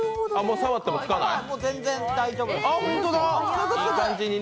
全然大丈夫。